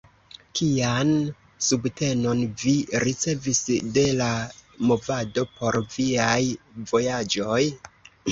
Kian subtenon vi ricevis de la movado por viaj vojaĝoj?